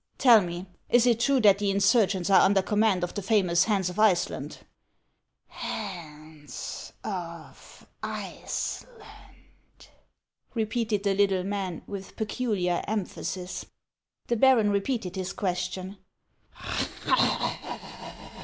" Tell me. is it true that the insurgents are under command of the famous Hans of Iceland ?"" Hans of Iceland !" repeated the little man, with peculiar emphasis. The baron repeated his question.